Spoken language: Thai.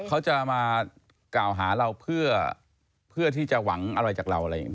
เขาจะมากล่าวหาเราเพื่อที่จะหวังอะไรจากเราอะไรอย่างนี้